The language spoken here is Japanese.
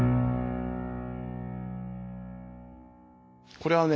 これはね